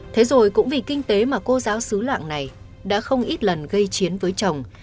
thế rồi cũng vì kinh tế mà cô giáo xứ loạn này đã không ít lần gây chiến với chồng